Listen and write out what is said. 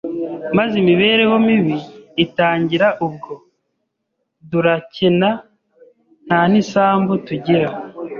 maze imibereho mibi itangira ubwo durakena, nta n’isambu tugira,